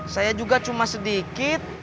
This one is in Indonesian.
saya juga cuma sedikit